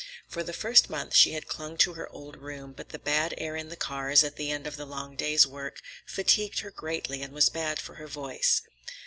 For the first month she had clung to her old room, but the bad air in the cars, at the end of a long day's work, fatigued her greatly and was bad for her voice.